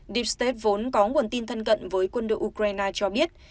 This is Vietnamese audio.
deep state vốn có nguồn tin thân cận với quân đội ukraine cho biết